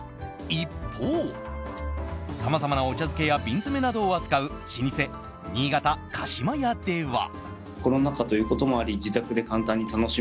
一方、さまざまな瓶詰やお茶漬けなどを扱う老舗、新潟加島屋では。